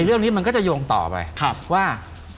เรื่องนี้มันก็จะโยงต่อไปว่า